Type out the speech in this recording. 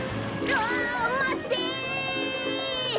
あまって！